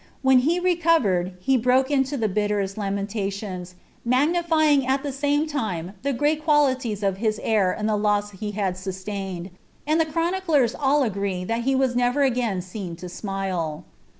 When he recovered, he brokt iiUii ilie bitterest lameniations, magnilying at the sanie time the gm( qualities of hia heir and the loss he ha<j suHi&ined ; Mid ilie ehroniclm all agree that he was never again seen to smile.